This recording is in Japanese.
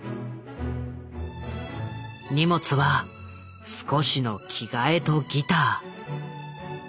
荷物は少しの着替えとギター。